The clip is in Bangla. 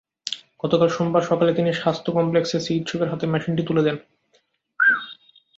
গতকাল সোমবার সকালে তিনি স্বাস্থ্য কমপ্লেক্সের চিকিৎসকদের হাতে মেশিনটি তুলে দেন।